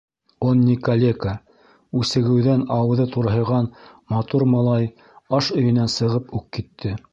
Он не калека! - үсегеүҙән ауыҙы турһайған матур малай аш өйөнән сығып уҡ китте.